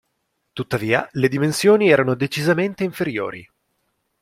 Tuttavia, le dimensioni erano decisamente inferiori.